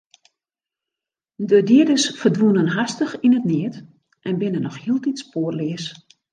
De dieders ferdwûnen hastich yn it neat en binne noch hieltyd spoarleas.